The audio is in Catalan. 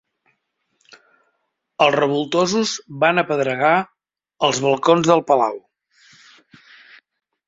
Els revoltosos van apedregar els balcons del palau.